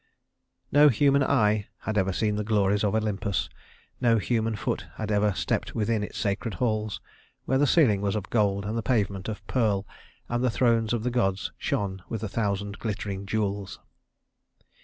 No human eye had ever seen the glories of Olympus, no human foot had ever stepped within its sacred halls, where the ceiling was of gold and the pavement of pearl and the thrones of the gods shone with a thousand glittering jewels.